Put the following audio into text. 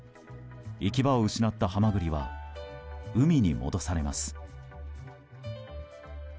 行き場を失ったハマグリは海に戻されます。